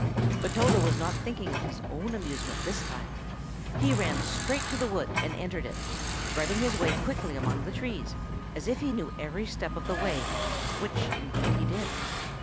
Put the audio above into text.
But Toto was not thinking of his own amusement this time. He ran straight to the wood, and entered it, threading his way quickly among the trees, as if he knew every step of the way, which, indeed, he did.